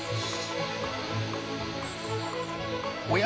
おや？